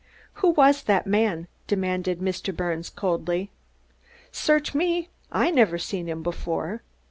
"Who was that man?" demanded Mr. Birnes coldly. "Search me! I never seen him before."